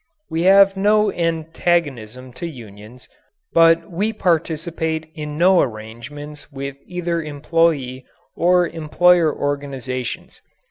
We have no antagonism to unions, but we participate in no arrangements with either employee or employer organizations.